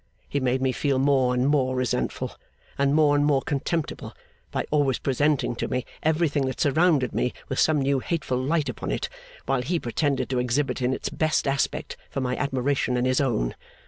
He made me feel more and more resentful, and more and more contemptible, by always presenting to me everything that surrounded me with some new hateful light upon it, while he pretended to exhibit it in its best aspect for my admiration and his own.